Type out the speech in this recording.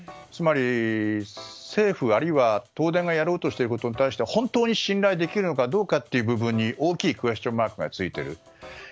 つまり、政府あるいは東電がやろうとしていることに対して本当に信頼できるのかどうかという部分に大きいクエスチョンマークがついている。